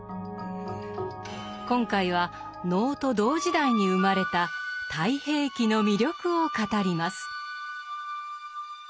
今回は能と同時代に生まれた「太平記」の魅力を語ります。